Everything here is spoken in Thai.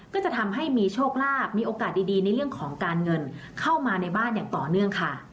ก็จะทำให้มีโชคลาภมีโอกาสดีในเรื่องของการเงินเข้ามาในบ้านอย่างต่อเนื่องค่ะ